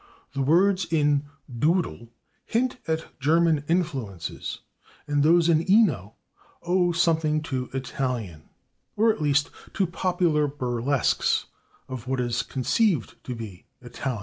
The words in / doodle/ hint at German influences, and those in / ino/ owe something to Italian, or at least to popular burlesques of what is conceived to be Italian.